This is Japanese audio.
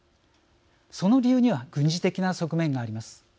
その理由には軍事的な側面があります。